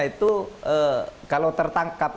itu kalau tertangkap